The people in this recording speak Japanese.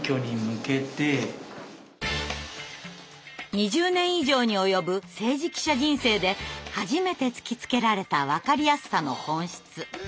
２０年以上に及ぶ政治記者人生で初めて突きつけられた「わかりやすさ」の本質。